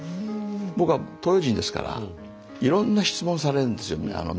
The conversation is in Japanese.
僕は東洋人ですからいろんな質問されるんですよメディアから。